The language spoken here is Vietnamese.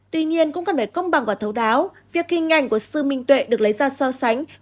tuy nhiên cũng cần phải công bằng và thấu đáo việc hình ảnh của sư minh tuệ được lấy ra so sánh